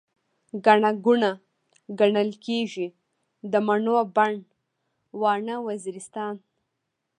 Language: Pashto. ګڼه ګوڼه، ګڼل کيږي، د مڼو بڼ، واڼه وزيرستان